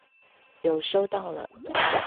有收到了